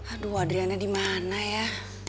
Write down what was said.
aduh adriana dimana ya